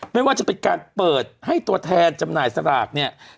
ไม่ว่าจะเป็นการเปิดให้ตัวแทนจำหน่ายสลากสมัครเข้าร่วมโครงการสลาก๘๐ระยะที่๒